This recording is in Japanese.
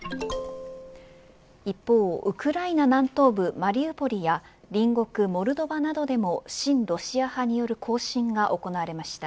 一方ウクライナ南東部マリウポリや隣国モルドバなどでも親ロシア派による行進が行われました。